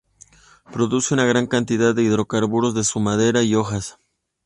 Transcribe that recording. Produce una gran cantidad de hidrocarburos de su madera y hojas.